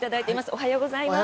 おはようございます。